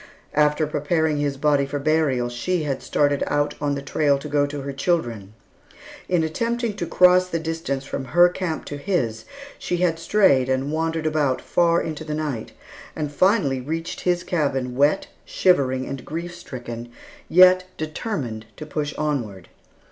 After preparing his body for burial, she had started out on the trail to go to her children. In attempting to cross the distance from her camp to his, she had strayed and wandered about far into the night, and finally reached his cabin wet, shivering, and grief stricken, yet determined to push onward.